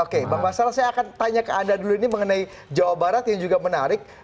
oke bang basara saya akan tanya ke anda dulu ini mengenai jawa barat yang juga menarik